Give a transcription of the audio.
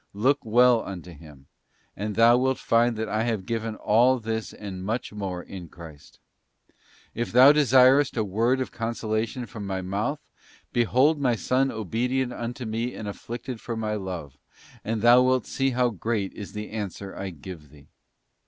Look well unto Him, and thou wilt find that I have given all this and much more in Christ. If thou desirest a word of consolation from My mouth, behold My Son obedient unto Me and afflicted for My love, and thou wilt see how great is the answer I give thee.